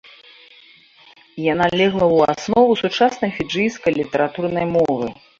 Яна легла ў аснову сучаснай фіджыйскай літаратурнай мовы.